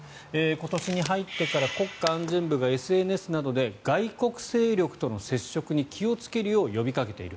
今年に入ってから国家安全部がＳＮＳなどで外国勢力との接触に気をつけるよう呼びかけている。